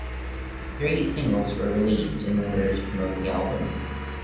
Three singles were released in order to promote the album.